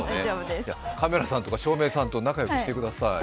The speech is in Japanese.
カメラさんとか照明さんと仲良くしてください。